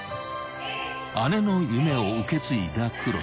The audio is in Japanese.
［姉の夢を受け継いだ黒田］